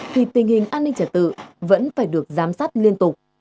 thì tình hình an ninh trả tự vẫn phải được giám sát liên tục